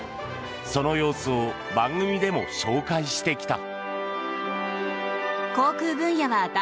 その様子を番組でも紹介してきた。